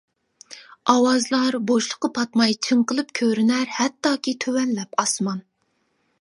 ئاۋازلار بوشلۇققا پاتماي چىڭقىلىپ كۆرۈنەر ھەتتاكى تۆۋەنلەپ ئاسمان.